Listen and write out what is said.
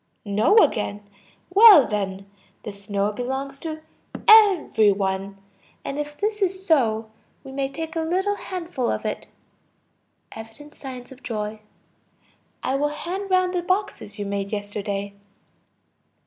No, again. Well then, the snow belongs to every one. And if this is so, we may take a little handful of it. (Evident signs of joy.) I will hand round the boxes you made yesterday.